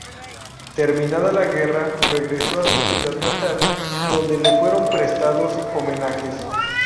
Terminada la guerra, regresó a su ciudad natal, donde le fueron prestados homenajes.